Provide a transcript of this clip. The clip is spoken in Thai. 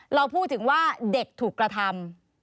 เราพูดถึงว่าเด็กถูกกระทำ